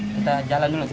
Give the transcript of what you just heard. kita jalan dulu